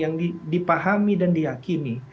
yang dipahami dan diyakini